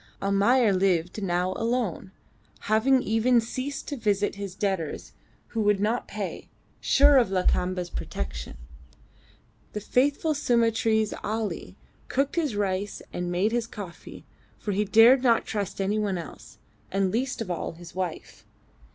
Almayer lived now alone, having even ceased to visit his debtors who would not pay, sure of Lakamba's protection. The faithful Sumatrese Ali cooked his rice and made his coffee, for he dared not trust any one else, and least of all his wife.